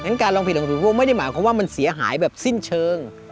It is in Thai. ฉะนั้นการลองผิดของพี่โบ๊คไม่ได้หมายความว่ามันเสียหายแบบสิ้นเชิง